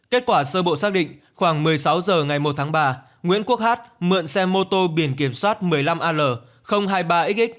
kết quả sơ bộ xác định khoảng một mươi sáu h ngày một tháng ba nguyễn quốc hát mượn xe mô tô biển kiểm soát một mươi năm l hai mươi ba x